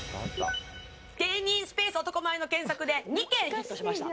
芸人スペース男前の検索で２件ヒットしました。